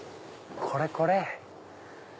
これこれ！